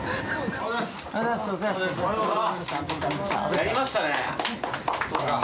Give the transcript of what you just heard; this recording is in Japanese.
やりましたね！